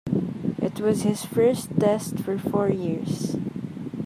It was his first Test for four years.